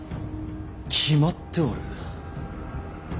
決まっておる。